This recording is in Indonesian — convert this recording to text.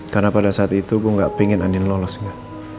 karena pada saat itu gue gak pengen andin lolosnya